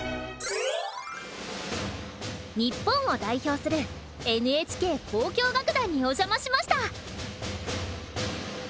日本を代表するＮＨＫ交響楽団にお邪魔しました。